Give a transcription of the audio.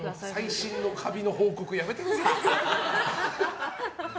最新のカビの報告やめてくださいよ。